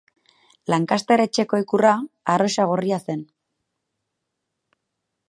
Lancaster etxeko ikurra arrosa gorria zen.